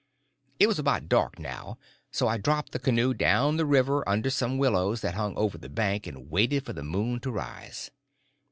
It was about dark now; so I dropped the canoe down the river under some willows that hung over the bank, and waited for the moon to rise.